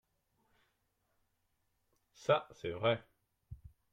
Ça, c’est vrai.